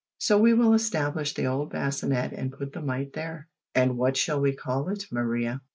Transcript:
So we will establish the old bassinet and put the mite there." "And what shall we call it, Maria?"